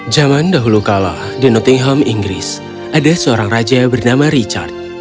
zaman dahulu kala di nottingham inggris ada seorang raja bernama richard